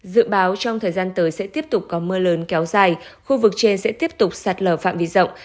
dự báo trong thời gian tới sẽ tiếp tục có mưa lớn kéo dài khu vực trên sẽ tiếp tục sạt lở phạm vi rộng